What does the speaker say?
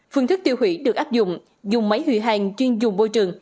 phương thức tiêu hủy được áp dụng dùng máy hủy hàng chuyên dùng môi trường